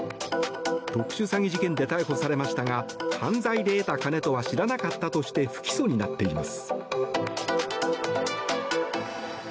特殊詐欺事件で逮捕されましたが犯罪で得た金とは知らなかったとして不起訴になっています。